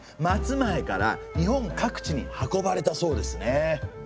松前から日本各地に運ばれたそうですね。